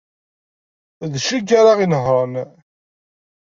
D kečč ara inehṛen.